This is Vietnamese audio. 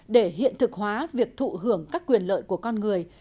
để hiện thực hóa việc thụ hưởng các quyền lợi của con người